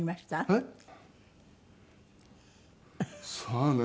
えっ？さあね。